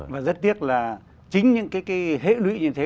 và chính những cái hễ lũy như thế